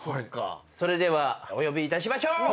それではお呼びいたしましょう。